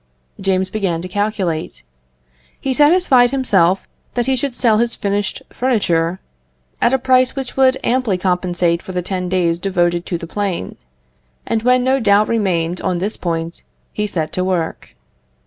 James began to calculate. He satisfied himself that he should sell his finished furniture at a price which would amply compensate for the ten days devoted to the plane; and when no doubt remained on this point, he set to work.